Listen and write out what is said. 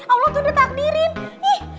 allah tuh udah takdirin hi